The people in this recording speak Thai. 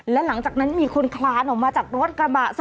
และหลังจากนั้นมีคนคลานออกมาจากรถกระบะ